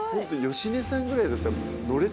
芳根さんぐらいだったら。